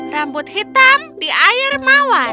rambut hitam di air mawar